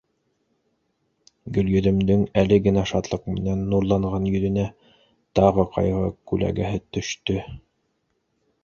Гөлйөҙөмдөң әле генә шатлыҡ менән нурланған йөҙөнә тағы ҡайғы күләгәһе төштө: